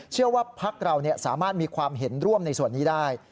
เชื่อว่าภักดิ์เราสามารถมีความเห็นร่วมในส่วนนี้ได้